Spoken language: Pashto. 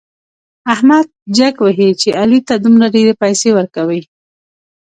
احمد جک وهي چې علي ته دومره ډېرې پيسې ورکوي.